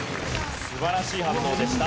素晴らしい反応でした。